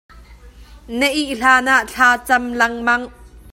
Na ih hlan ah thlacam lengmang.